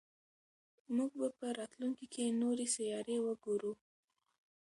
موږ به په راتلونکي کې نورې سیارې وګورو.